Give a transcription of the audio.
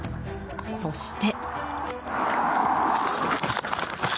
そして。